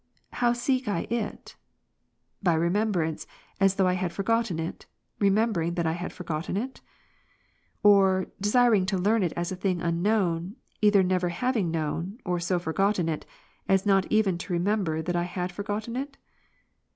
How seek I it? By remembrance, as though I had forgotten it, remembering that I had forgotten it? Or, desiring to learn it as a thing unknown, either never hav ing known, or so forgotten it, as not even to remember that I had forgotten it